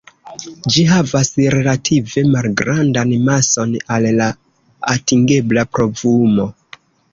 Ĝi havas relative malgrandan mason al la atingebla povumo.